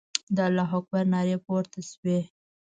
د الله اکبر نارې پورته سوې.